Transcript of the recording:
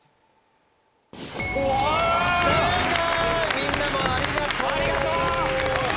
みんなもありがとう。